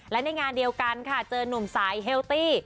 และในงานเดียวกันค่ะเจอนุ่มสายเฮลตี้